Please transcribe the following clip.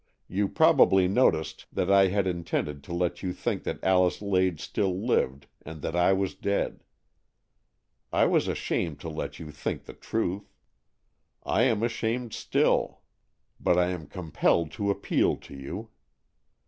You probably noticed that I had intended to let you think that Alice Lade still lived, and that I was dead. I was ashamed to let you think the truth. I am ashamed still, but I am compelled to 166 AN EXCHANGE OF SOULS appeal to you.